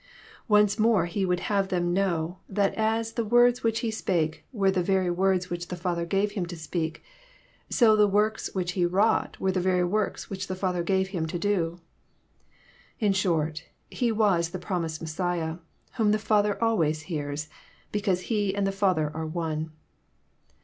Once more He would have them know that as the words which He spa^e were the very words which the Father gave Him to speak, so the works which He wrought were the very works which the Father gave Him to do. In short. He was the promised Miessiah, whom the Father always hears, because He and the Father are One.